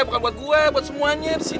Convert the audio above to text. eh bukan buat gue buat semuanya disini